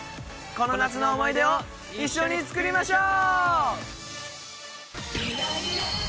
この夏の思い出を一緒に作りましょう！